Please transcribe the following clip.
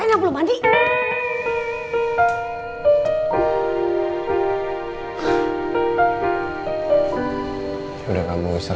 aku janji aku akan jadi istri yang lebih baik lagi buat kamu